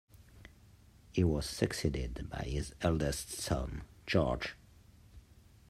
He was succeeded by his eldest son, George.